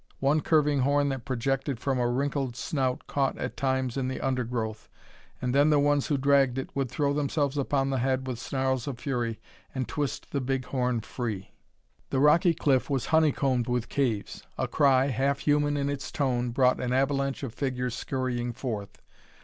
One curving horn that projected from a wrinkled snout caught at times in the undergrowth, and then the ones who dragged it would throw themselves upon the head with snarls of fury and twist the big horn free. The rocky cliff was honeycombed with caves. A cry, half human in its tone, brought an avalanche of figures scurrying forth.